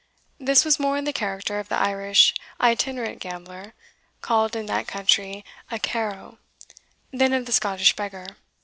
This was more in the character of the Irish itinerant gambler, called in that country a "carrow," than of the Scottish beggar.